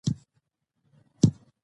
افغانستان د مېوې لپاره مشهور دی.